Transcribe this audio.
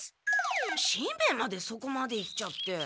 しんベヱまでそこまで言っちゃって。